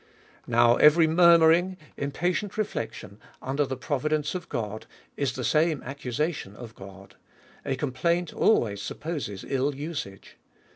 Now every murmuring, impatient rejection under the providence of God, is the same accusation of God. A complaint alwayis supposes ill usage.